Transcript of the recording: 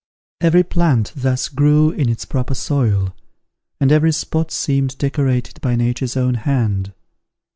Every plant thus grew in its proper soil, and every spot seemed decorated by Nature's own hand.